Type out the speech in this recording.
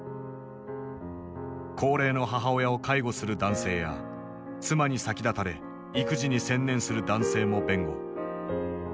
高齢の母親を介護する男性や妻に先立たれ育児に専念する男性も弁護。